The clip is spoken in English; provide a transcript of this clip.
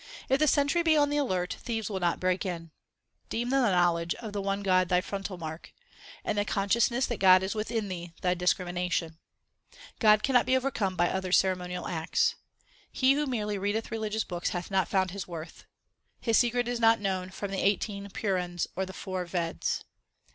If the sentry be on the alert, thieves will not break in. Deem the knowledge of the one God thy frontal mark, And the consciousness that God is within thee thy dis crimination. 2 God cannot be overcome by other ceremonial acts. He who merely readeth religious books hath not found His worth. His secret is not known from the eighteen Purans or the four Veds.